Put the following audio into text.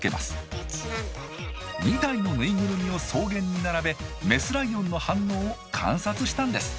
２体のぬいぐるみを草原に並べメスライオンの反応を観察したんです。